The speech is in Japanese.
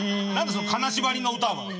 その金縛りの歌は。